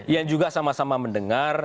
yang juga sama sama mendengar